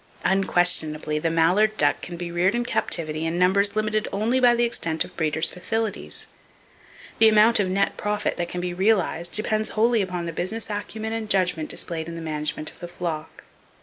Unquestionably, the mallard duck can be reared in captivity in numbers limited only by the extent of breeder's facilities. The amount of net profit that can be realized depends wholly upon the business acumen and judgment displayed in the management of the flock.